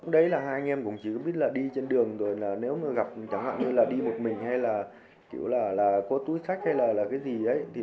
đấy là hai anh em cũng chỉ có biết là đi trên đường rồi là nếu mà gặp chẳng hạn như là đi một mình hay là kiểu là có túi khách hay là cái gì đấy